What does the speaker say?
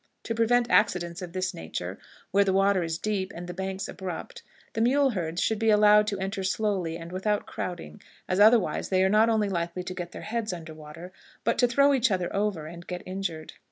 To prevent accidents of this nature, where the water is deep and the banks abrupt, the mule herds should be allowed to enter slowly, and without crowding, as otherwise they are not only likely to get their heads under water, but to throw each other over and get injured.